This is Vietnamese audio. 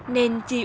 nên chi ủy bác